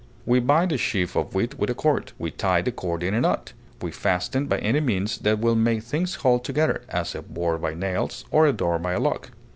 We bind a sheaf of wheat with a cord; we tie the cord in a knot; we fasten by any means that will make things hold together, as a board by nails, or a door by a lock.